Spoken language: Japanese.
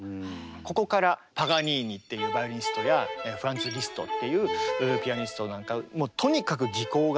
ここからパガニーニっていうバイオリニストやフランツ・リストっていうピアニストなんかもうとにかく技巧がすごい。